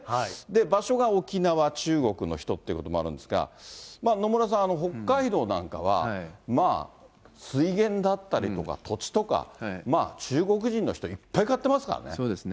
場所が沖縄、中国の人っていうこともあるんですが、野村さん、北海道なんかは、まあ、水源だったりとか、土地とか、中国人の人、そうですね。